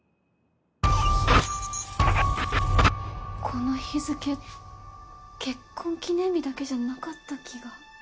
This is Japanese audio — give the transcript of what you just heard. この日付結婚記念日だけじゃなかった気が。